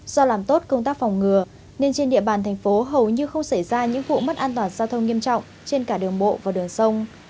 do làm tốt công tác phòng ngừa nên trên địa bàn thành phố hầu như không xảy ra những vụ mất an toàn giao thông nghiêm trọng trên cả đường bộ và đường sông